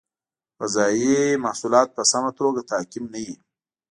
غذایي محصولات په سمه توګه تعقیم نه وي.